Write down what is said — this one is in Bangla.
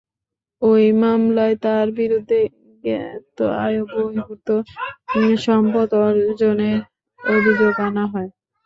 ওই মামলায় তাঁর বিরুদ্ধে জ্ঞাত আয়বহির্ভূত সম্পদ অর্জনের অভিযোগ আনা হয়।